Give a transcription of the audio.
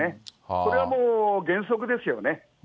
それはもう、原則ですよね。